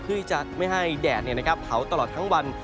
เพื่อที่จะไม่ให้แดดเนี่ยนะครับเผาตลอดทั้งวัน